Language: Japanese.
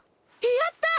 やった！